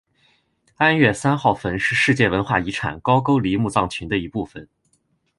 安岳三号坟是世界文化遗产高句丽墓葬群的一部份。